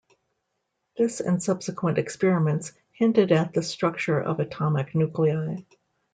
This and subsequent experiments hinted at the structure of atomic nuclei.